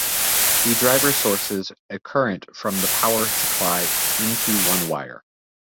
The driver sources a current from the power supply into one wire.